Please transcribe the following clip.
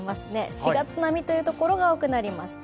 ４月並みというところが多くなりました。